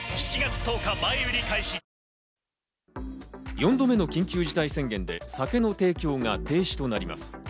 ４度目の緊急事態宣言で酒の提供が停止となります。